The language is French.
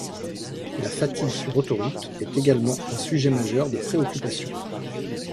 La fatigue sur autoroute est également un sujet majeur de préoccupation.